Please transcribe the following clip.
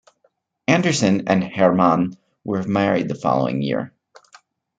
Anderson and Herrmann were married the following year.